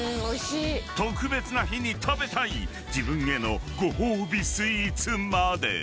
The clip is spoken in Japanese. ［特別な日に食べたい自分へのご褒美スイーツまで］